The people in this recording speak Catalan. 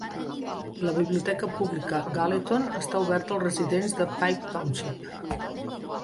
La biblioteca pública Galeton està oberta als residents de Pike Township.